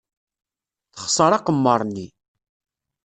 Texṣer aqemmer-nni.